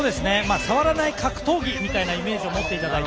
触らない格闘技みたいなイメージを持っていただいて。